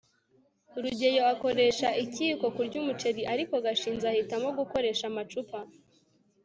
rugeyo akoresha ikiyiko kurya umuceri, ariko gashinzi ahitamo gukoresha amacupa